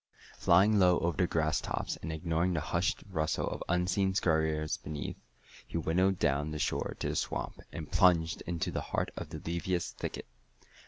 Flying low over the grass tops, and ignoring the hushed rustle of unseen scurriers beneath, he winnowed down the shore to the swamp and plunged into the heart of the leafiest thicket.